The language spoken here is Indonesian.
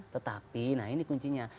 tetapi nah ini kuncinya